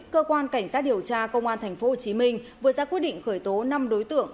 cơ quan cảnh sát điều tra công an tp hcm vừa ra quyết định khởi tố năm đối tượng